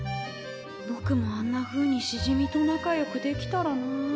ぼくもあんなふうにしじみと仲よくできたらなあ。